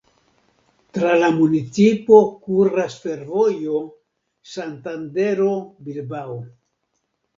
Tra la municipo kuras fervojo Santandero-Bilbao.